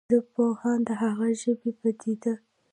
ژبپوهان د هغه ژبنې پديده